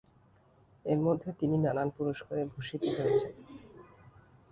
এর মধ্যে তিনি নানান পুরস্কারে ভূষিত হয়েছেন।